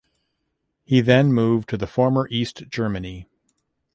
He then moved to the former East Germany.